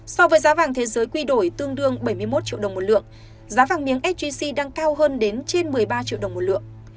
so với giá vàng thế giới quy đổi tương đương bảy mươi một triệu đồng một lượng giá vàng miếng sgc đang cao hơn đến trên một mươi ba triệu đồng một lượng